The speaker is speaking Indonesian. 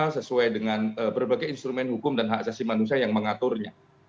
sesuai dengan berbagai instrumen hukum dan hak asasi manusia yang mengaturnya